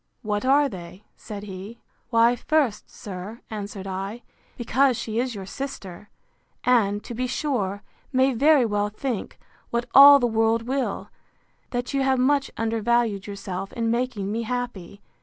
What are they? said he. Why, first, sir, answered I, because she is your sister; and, to be sure, may very well think, what all the world will, that you have much undervalued yourself in making me happy.